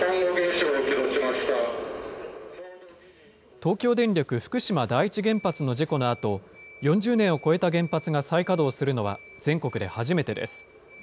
東京電力福島第一原発の事故のあと、４０年を超えた原発が再稼働するのは、全国で初めてです。